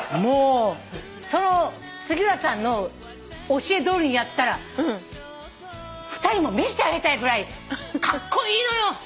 その杉浦さんの教えどおりにやったら２人にも見せてあげたいぐらいカッコイイのよ。